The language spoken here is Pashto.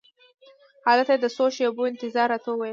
هلته یې د څو شېبو انتظار راته وویل.